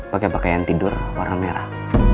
pakai pakaian tidur warna merah